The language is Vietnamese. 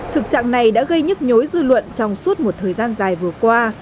thực trạng này đã gây nhức nhối dư luận trong suốt một thời gian dài vừa qua